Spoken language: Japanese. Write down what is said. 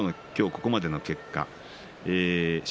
十両のここまでの結果です。